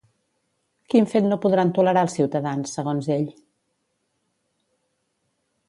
Quin fet no podran tolerar els ciutadans, segons ell?